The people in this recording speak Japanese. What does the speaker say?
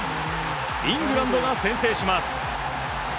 イングランドが先制します。